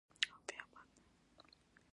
سلیمان غر د افغانستان د زرغونتیا نښه ده.